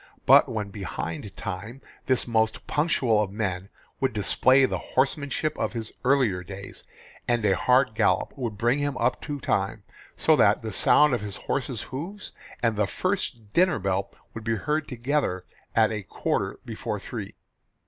But when behind time this most punctual of men would display the horsemanship of his earlier days, and a hard gallop would bring him up to time so that the sound of his horse's hoofs and the first dinner bell would be heard together at a quarter before three.